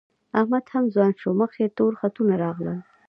احمد هم ځوان شو، مخ یې تور خطونه راغلي